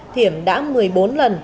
thiểm đã một mươi bốn lần